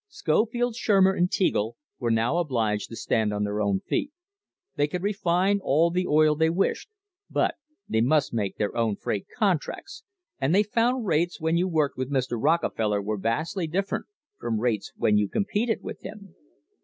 Scofield, Shurmer and Teagle were now obliged to stand on their own feet. They could refine all the oil they wished, but they must make their own freight contracts, and they found rates when you worked with Mr. Rockefeller were vastly different from rates when you competed with him.